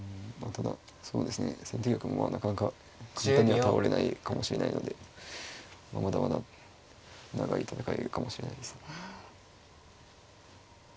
ただ先手玉もなかなか簡単には倒れないかもしれないのでまだまだ長い戦いかもしれないですね。